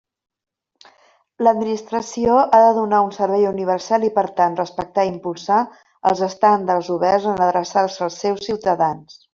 L'administració ha de donar un servei universal i, per tant, respectar i impulsar els estàndards oberts en adreçar-se als seus ciutadans.